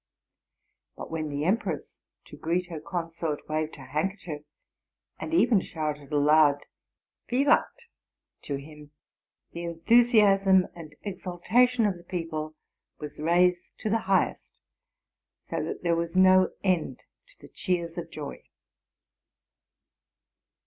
But when the empress, to greet her consort, waved her handkerchief, and even shouted a loud vivat to him, the enthusiasm and exultation of the people was raised to the highest, so that there was no end to the cheers of joy.